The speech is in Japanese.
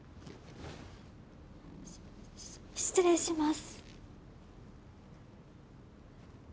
失礼します。